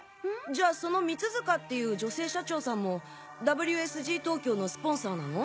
じゃあその三塚っていう女性社長さんもＷＳＧ東京のスポンサーなの？